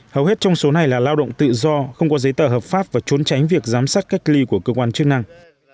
hầu hết trong số này là lao động tự do không có giấy tờ hợp pháp và trốn tránh việc giám sát cách ly của cơ quan chức năng